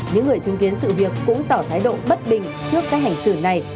những người chứng kiến sự việc cũng tỏ thái độ bất bình trước các hành xử này